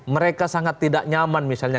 mereka sangat tidak nyaman misalnya